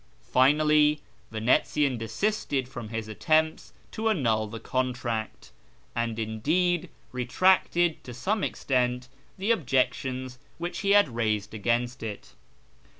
Finally Vanetzian desisted from his attempts to annul the contract, and indeed retracted to some extent the objections which he had raised against it.